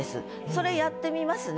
それやってみますね。